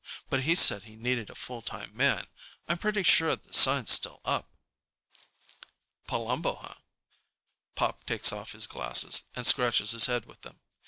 But he said he needed a full time man. I'm pretty sure the sign's still up." "Palumbo, huhn?" Pop takes off his glasses and scratches his head with them.